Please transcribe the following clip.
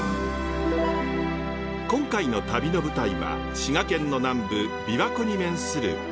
今回の旅の舞台は滋賀県の南部琵琶湖に面する草津市。